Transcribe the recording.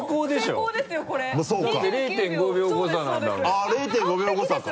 あっ０．５秒誤差か。